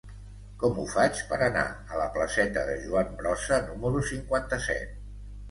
Com ho faig per anar a la placeta de Joan Brossa número cinquanta-set?